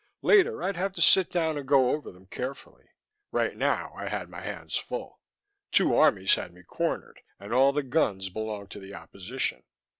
Later I'd have to sit down and go over them carefully. Right now, I had my hands full. Two armies had me cornered, and all the guns belonged to the opposition.